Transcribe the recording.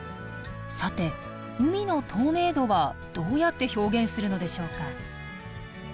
さて海の透明度はどうやって表現するのでしょうか。